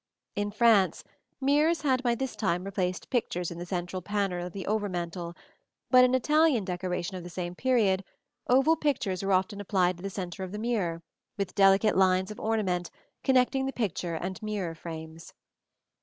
In France, mirrors had by this time replaced pictures in the central panel of the over mantel; but in Italian decoration of the same period oval pictures were often applied to the centre of the mirror, with delicate lines of ornament connecting the picture and mirror frames.